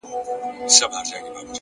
د ښایستونو خدایه سر ټيټول تاته نه وه